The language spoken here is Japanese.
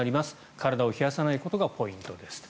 体を冷やさないことがポイントですと。